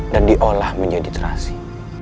dan diolah menjadi terasi